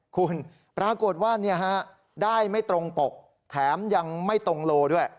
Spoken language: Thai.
คุณปรากฏว่าได้ไม่ตรงปกแถมยังไม่ตรงโลด้วย